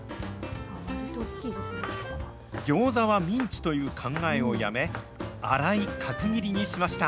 餃子はミンチという考えをやめ、粗い角切りにしました。